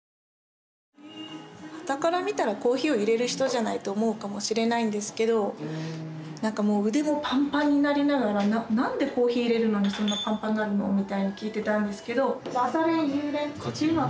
端から見たらコーヒーをいれる人じゃないと思うかもしれないんですけどなんかもう腕もパンパンになりながら何でコーヒーいれるのにそんなパンパンになるの？みたいな聞いてたんですけど。